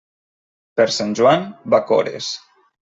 Per sant Joan, bacores.